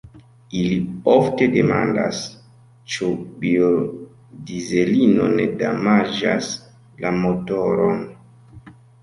Ili ofte demandas, ĉu biodizelino ne damaĝas la motoron.